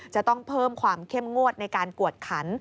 จะต้องเพิ่มความเข้มงวดในการกวดขัน